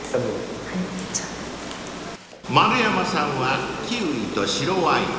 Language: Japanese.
［丸山さんはキウイと白ワイン］